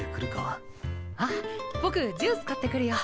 あボクジュース買ってくるよ。